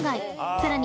さらに